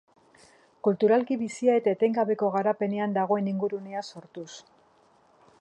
Kulturalki bizia eta etengabeko garapenean dagoen ingurunea sortuz.